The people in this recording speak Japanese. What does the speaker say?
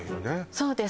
そうです